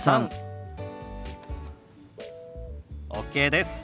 ＯＫです。